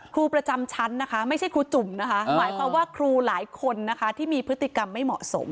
ครูประจำชั้นนะคะไม่ใช่ครูจุ่มนะคะหมายความว่าครูหลายคนนะคะที่มีพฤติกรรมไม่เหมาะสม